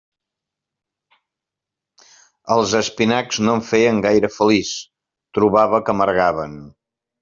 Els espinacs no em feien gaire feliç, trobava que amargaven.